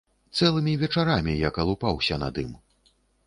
Цэлымі вечарамі я калупаўся над ім.